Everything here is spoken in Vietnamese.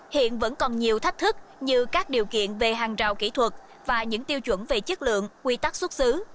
hiện vẫn còn nhiều thách thức như các điều kiện về hàng rào kỹ thuật và những tiêu chuẩn về chất lượng quy tắc xuất xứ